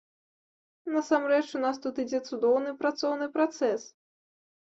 Насамрэч, у нас тут ідзе цудоўны працоўны працэс.